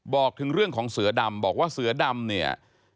บอกถึงเรื่องของเสือดำบอกว่าเสือดำเนี่ย